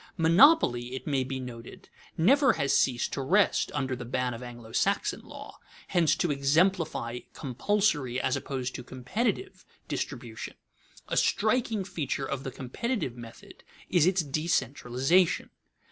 Monopoly, it may be noted, never has ceased to rest under the ban of Anglo Saxon law, hence to exemplify compulsory, as opposed to competitive, distribution. A striking feature of the competitive method is its decentralization.